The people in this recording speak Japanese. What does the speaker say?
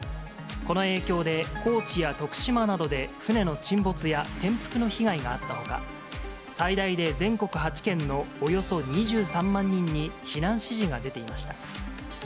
この影響で、高知や徳島などで、船の沈没や転覆の被害があったほか、最大で全国８県のおよそ２３万人に避難指示が出ていました。